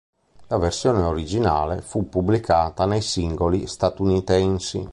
La versione originale fu pubblicata nei singoli statunitensi.